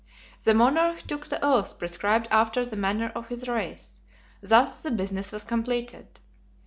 The monarch took the oath prescribed after the manner of his race: thus the business was completed.